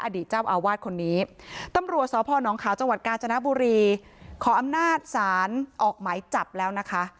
อดีตเจ้าอาวาสคนนี้ตำรวจสพนขาวจังหวัดกาญจนบุรีขออำนาจศาลออกหมายจับแล้วนะคะ